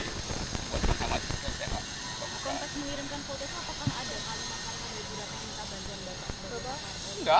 konteks mengirimkan foto itu apakah nggak ada hal hal yang sudah terkita bagian data